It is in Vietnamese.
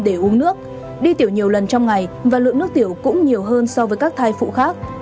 để uống nước đi tiểu nhiều lần trong ngày và lượng nước tiểu cũng nhiều hơn so với các thai phụ khác